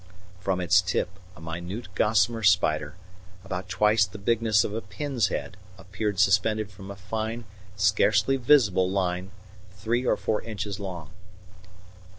From its tip a minute gossamer spider, about twice the bigness of a pin's head, appeared suspended from a fine, scarcely visible line three or four inches long.